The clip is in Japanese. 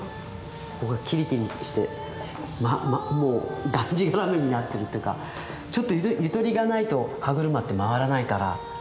ここがキリキリしてもうがんじがらめになってるというかちょっとゆとりがないと歯車って回らないから。